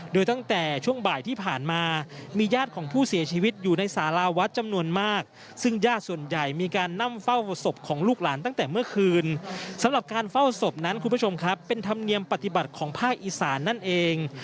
โดยตั้งแต่ช่วงบ่ายที่ผ่านมามีญาติของผู้เสียชีวิตอยู่ในสาราวัดจำนวนมากซึ่งญาติส่วนใหญ่มีการนั่งเฝ้าศพของลูกหลานตั้งแต่เมื่อคืนสำหรับการเฝ้าศพนั้นคุณผู้ชมครับเป็นธรรมเนียมปฏิบัติของภาคอีสานนั่นเอง